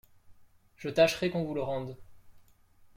Je tâcherai qu'on vous le rende.